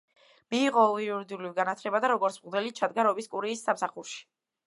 მიიღო იურიდიული განათლება და როგორც მღვდელი ჩადგა რომის კურიის სამსახურში.